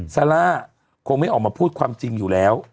ซาร่าคงไม่ออกมาพูดความจริงอยู่แล้ว